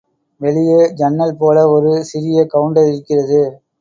வெளியே ஜன்னல் போல ஒரு சிறிய கவுண்டர் இருக்கிறது!